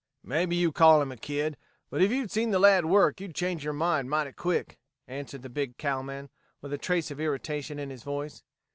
"Mebby you call him a kid, but if you'd see the lad work you'd change your mind mighty quick," answered the big cowman, with a trace of irritation in his voice.